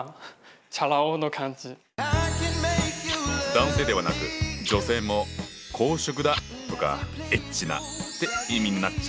男性ではなく女性も「好色だ」とか「エッチな」って意味になっちゃったんだ。